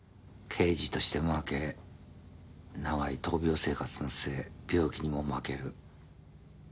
刑事として負け長い闘病生活の末病気にも負ける。